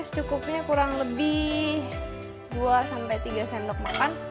secukupnya kurang lebih dua sampai tiga sendok makan